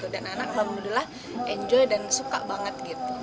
dan anak anak alhamdulillah enjoy dan suka banget